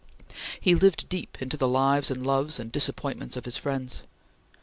He lived deep into the lives and loves and disappointments of his friends.